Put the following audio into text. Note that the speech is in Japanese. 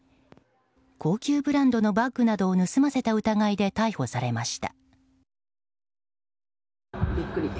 高級ブランドのバッグなどを盗ませた疑いで逮捕されました。